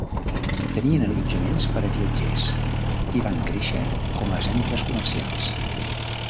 Tenien allotjaments per a viatgers i van créixer com a centres comercials.